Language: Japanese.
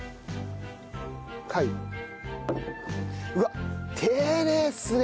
うわっ丁寧っすね。